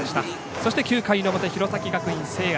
そして、９回の表、弘前学院聖愛。